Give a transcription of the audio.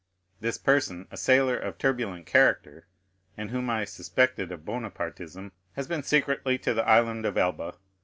This person, a sailor, of turbulent character, and whom I suspected of Bonapartism, has been secretly to the Island of Elba.